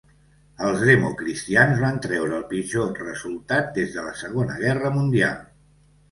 Els democristians van treure el pitjor resultat des de la Segona Guerra Mundial.